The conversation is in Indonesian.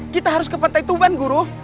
kita harus ke pantai tuban guru